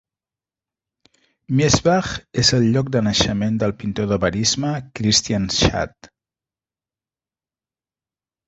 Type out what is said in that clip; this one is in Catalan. Miesbach és el lloc de naixement del pintor de verisme Christian Schad.